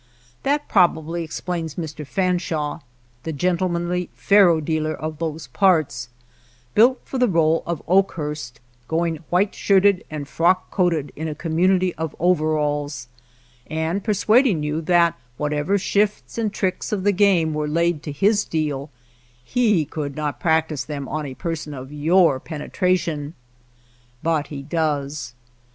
That probably explains Mr. Fanshawe, the gentlemanly faro dealer of those parts, "~SDuilt for the role of Oakhurst, going white /shirted and frock coated in a community \ of overalls ; and persuading you that what \ever shifts and tricks of the game were I laid to his deal, he could not practice them on a person of your penetration. But he does.